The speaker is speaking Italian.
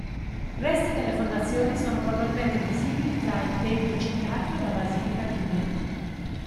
Resti delle fondazioni sono probabilmente visibili tra il tempio citato e la basilica Giulia.